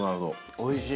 おいしい。